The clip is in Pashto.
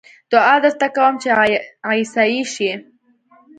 دعا درته کووم چې عيسائي شې